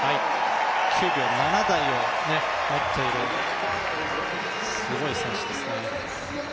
９秒７台をもっている、すごい選手ですね。